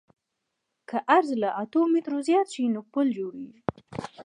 که عرض له اتو مترو زیات شي نو پل جوړیږي